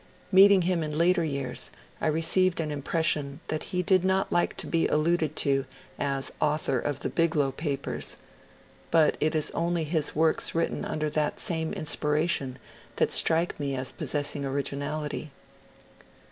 Meeting him in later years, I received an impression that he did not like to be alluded to as ^^ author of the Biglow Papers," but it is only his works written under that same inspiration that strike me as possessing originality.